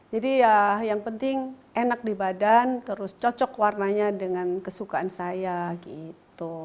jadi ya yang penting enak di badan terus cocok warnanya dengan kesukaan saya gitu